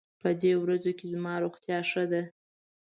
په دې ورځو کې زما روغتيا ښه ده.